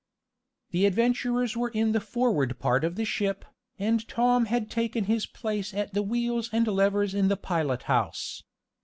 The adventurers were in the forward part of the ship, and Tom had taken his place at the wheels and levers in the pilot house.